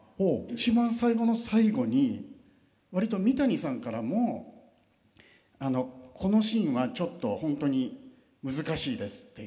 一番最後の最後に割と三谷さんからも「このシーンはちょっと本当に難しいです」っていう。